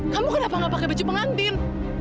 kamu kenapa gak pakai baju pengantin